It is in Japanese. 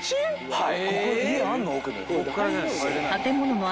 はい。